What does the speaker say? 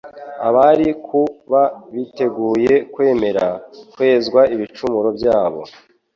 Abari kuba biteguye kwemera kwezwa ibicumuro byabo